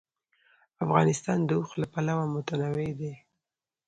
افغانستان د اوښ له پلوه متنوع دی.